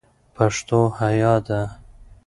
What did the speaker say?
پښتو حیا ده